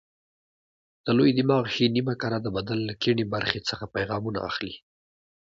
د لوی دماغ ښي نیمه کره د بدن له کیڼې برخې څخه پیغامونه اخلي.